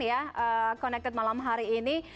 ya connected malam hari ini